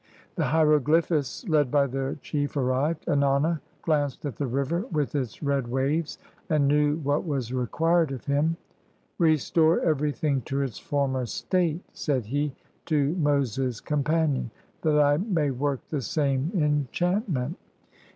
The hieroglyphists, led by their chief, arrived : Ennana glanced at the river with its red waves, and knew what was required of him. "Restore everything to its former state," said he to Moses' companion, " that I may work the same enchant ment."